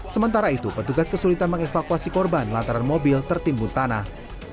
sementara itu petugas kesulitan mengevakuasi korban lantaran mobil tertimbun tanah